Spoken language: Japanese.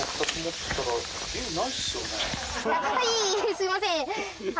すいません。